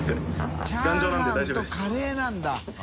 チャーハンとカレーなんだ。